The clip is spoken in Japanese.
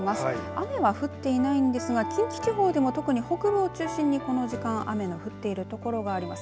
雨は降っていないんですが近畿地方でも特に北部を中心にこの時間、雨の降っているところがあります。